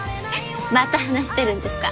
また話してるんですか？